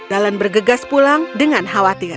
dalan bergegas pulang dengan khawatir